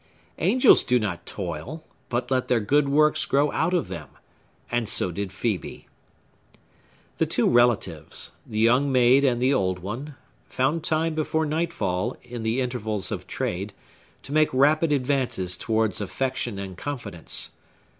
Angels do not toil, but let their good works grow out of them; and so did Phœbe. The two relatives—the young maid and the old one—found time before nightfall, in the intervals of trade, to make rapid advances towards affection and confidence.